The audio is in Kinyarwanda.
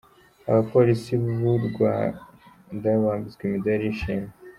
Abapolisi b’u Rwarwa bambitswe imidari y’ishimwe